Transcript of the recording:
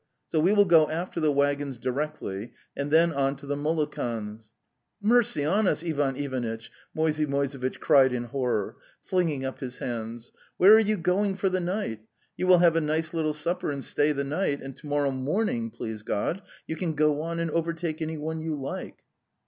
so we will go after the waggons directly and then on to the Molokans'." "" Mercy on us, Ivan Ivanitch!"' Moisey Moise vitch cried in horror, flinging up his hands. '""Where are you going for the night? You will have a nice little supper and stay the night, and to morrow morning, please God, you can go on and overtake anyone you like."